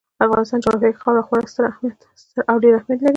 د افغانستان جغرافیه کې خاوره خورا ستر او ډېر اهمیت لري.